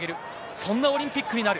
そんなオリンピックになる。